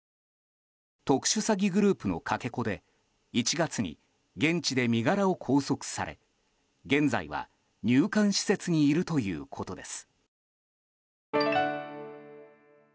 特殊詐欺グループのかけ子で１月に現地で身柄を拘束され現在は入館移設にいるということです。